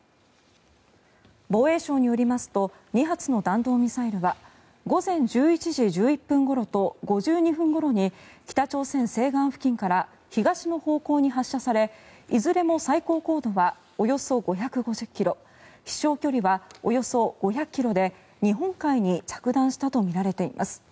防衛省によりますと２発の弾道ミサイルは午前１１時１１分ごろと５２分ごろに北朝鮮西岸付近から東の方向に発射されいずれも最高高度はおよそ５５０ｋｍ飛翔距離はおよそ５００ｋｍで日本海に着弾したとみられています。